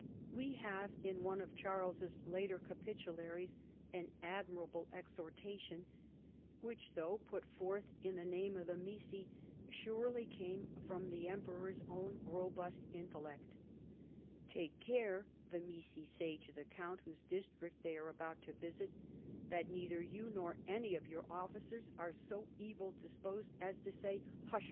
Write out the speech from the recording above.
We have, in one of Charles's later Capitularies, an admirable exhortation which, though put forth in the name of the m«m, surely came from the emper or's own robust intellect :—" Take care," the onissi say to the count whose district they are about to visit, " that neither 3 ou nor any of your officers are so evil disposed as to say ' Hush